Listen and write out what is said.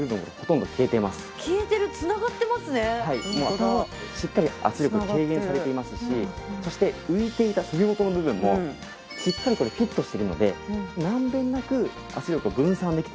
頭しっかり圧力軽減されていますしそして浮いていた首元の部分もしっかりこれフィットしてるのでまんべんなく圧力を分散できているんですね。